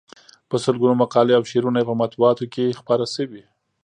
په سلګونو مقالې او شعرونه یې په مطبوعاتو کې خپاره شوي.